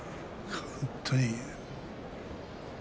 本当に。